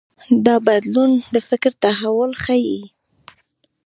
دا بدلون د فکر تحول ښيي.